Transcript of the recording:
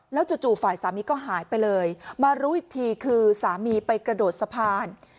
จู่ฝ่ายสามีก็หายไปเลยมารู้อีกทีคือสามีไปกระโดดสะพาน